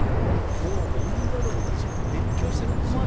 もう女の子たちが熱狂してるんですよ。